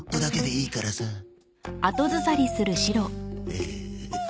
エヘヘヘ。